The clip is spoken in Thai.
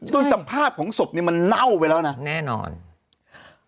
ด้วยสภาพของศพเนี่ยมันเน่าไปแล้วนะ